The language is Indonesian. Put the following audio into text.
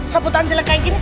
seperti jelek kayak gini